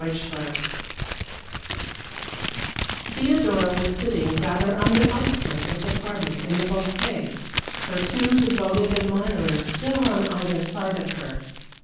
V Theodora was sitting rather on the outskirts of the party in the bosquet, her two devoted admirers still on either side of her.